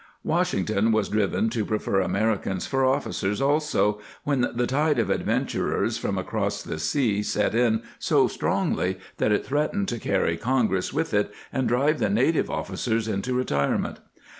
* Washing ton was driven to prefer Americans for officers, also, when the tide of adventurers from across the sea set in so strongly that it threatened to carry Congress with it and drive the native officers into retirement.